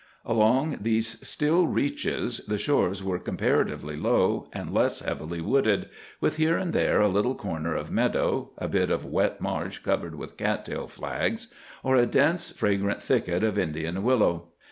Along these still reaches the shores were comparatively low, and less heavily wooded, with here and there a little corner of meadow, a bit of wet marsh covered with cat tail flags, or a dense fragrant thicket of Indian willow.